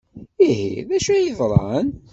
Ihi, d acu ay yeḍran?